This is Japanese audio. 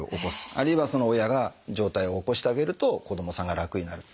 あるいは親が上体を起こしてあげると子どもさんが楽になる。